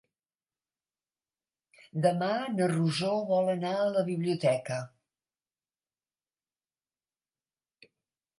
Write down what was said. Demà na Rosó vol anar a la biblioteca.